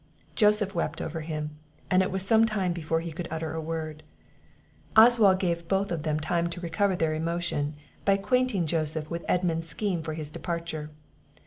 Joseph wept over him, and it was some time before he could utter a word. Oswald gave them both time to recover their emotion, by acquainting Joseph with Edmund's scheme for his departure.